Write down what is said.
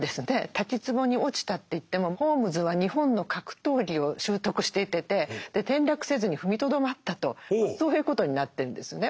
滝つぼに落ちたっていってもホームズは日本の格闘技を習得していてて転落せずに踏みとどまったとそういうことになってるんですね。